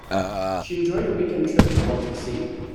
She enjoyed her weekend trip to the baltic sea.